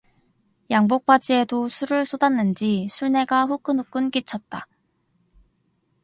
양복 바지에도 술을 쏟았는지 술내가 후끈후끈 끼쳤다.